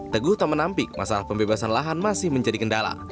teguh taman ampik masalah pembebasan lahan masih menjadi kendala